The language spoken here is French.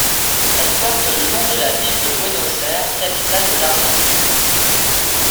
Elle porte le nom de la ville de Buenos Aires, capitale de l'Argentine.